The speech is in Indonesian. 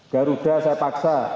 garuda saya paksa